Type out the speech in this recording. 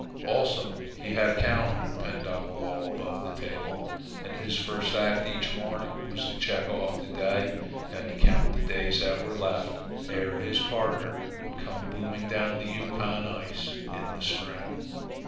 Also, he had a calendar pinned on the wall above the table, and his first act each morning was to check off the day and to count the days that were left ere his partner would come booming down the Yukon ice in the spring.